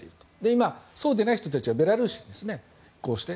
今、そうでない人たちはベラルーシに、こうして。